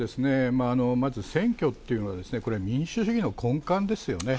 まず選挙っていうのは、これ、民主主義の根幹ですよね。